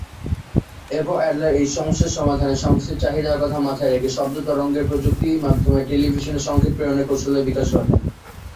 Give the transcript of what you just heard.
এরপর অ্যাডলার এই সমস্যার সমাধানে সংস্থার চাহিদার কথা মাথায় রেখে শব্দ তরঙ্গের প্রযুক্তির মাধ্যমে টেলিভিশনে সঙ্কেত প্রেরণের কৌশলের বিকাশ ঘটান।